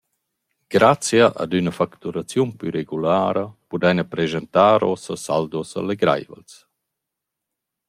Grazcha ad üna facturaziun plü regulara pudaina preschantar uossa saldos allegraivels.